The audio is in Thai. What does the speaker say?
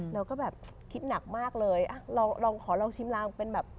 เราก็แบบคิดหนักมากเลยอ่ะลองขอลองชิมลางเป็นแบบ